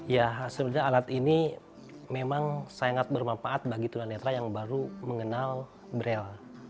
ya sebenarnya alat ini memang sangat bermanfaat bagi tunanetra yang baru mengenal braille